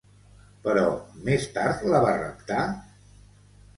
Però, més tard la va raptar?